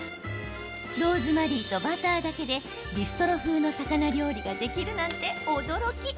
ローズマリーとバターだけでビストロ風の魚料理ができるなんて驚き。